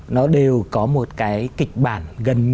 nó đều có một kịch bản gần nhất